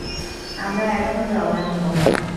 আমরা এখন রওনা দিবো।